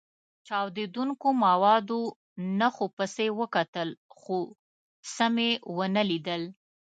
چاودېدونکو موادو نښو پسې وکتل، خو څه مې و نه لیدل.